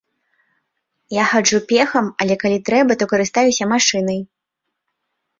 Я хаджу пехам, але калі трэба, то карыстаюся машынай.